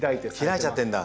開いちゃってんだ！